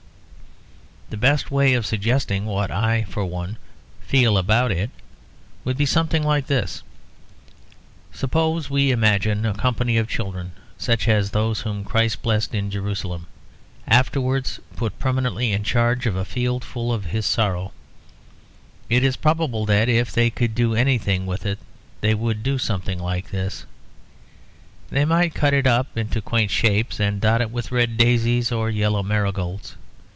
The best way of suggesting what I for one feel about it would be something like this; suppose we imagine a company of children, such as those whom Christ blessed in Jerusalem, afterwards put permanently in charge of a field full of his sorrow; it is probable that, if they could do anything with it, they would do something like this. They might cut it up into quaint shapes and dot it with red daisies or yellow marigolds.